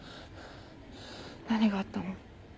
何があったの？